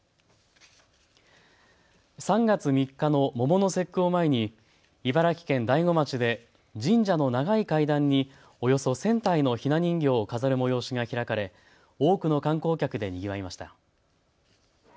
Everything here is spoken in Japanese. ３月３日の桃の節句を前に茨城県大子町で神社の長い階段におよそ１０００体のひな人形を飾る催しが開かれ多くの観光客でにぎわいました。